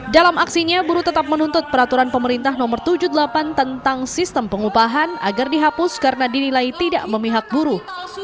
dalam aksinya buruh tetap menuntut peraturan pemerintah no tujuh puluh delapan tentang sistem pengupahan agar dihapus karena dinilai tidak memihak buruh